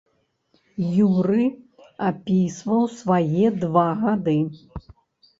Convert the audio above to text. Юры апісваў свае два гады.